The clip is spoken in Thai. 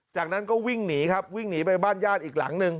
จากนั้นก็วิ่งหนีครับวิ่งหนีไปบ้านญาติอีกหลังหนึ่ง